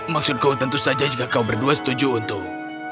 maksudku tentu saja jika kau berdua setuju untuk